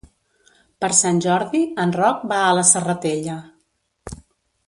Per Sant Jordi en Roc va a la Serratella.